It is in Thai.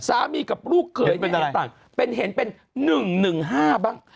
สามีกับลูกเคยเป็นเห็นเป็น๑๑๕บ้าง